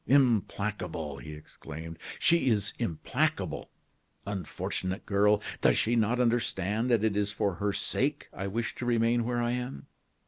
"Implacable!" he exclaimed; "she is implacable. Unfortunate girl! does she not understand that it is for her sake I wish to remain where I am?